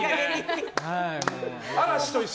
嵐と一緒。